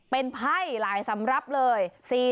เป็นไพ่หลายสำรับเลย